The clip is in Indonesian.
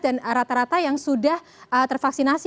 dan rata rata yang sudah tervaksinasi